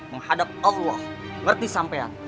menghadap allah ngerti sampean